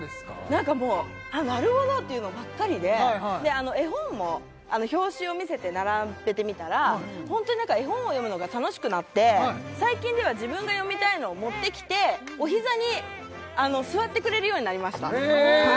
なんかもうなるほど！っていうのばっかりで絵本も表紙を見せて並べてみたらホントに絵本を読むのが楽しくなって最近では自分が読みたいのを持ってきておひざに座ってくれるようになりましたへえ！